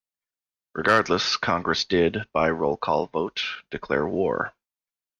Regardless, Congress did, by roll-call vote, declare war.